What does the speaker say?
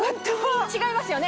違いますよね？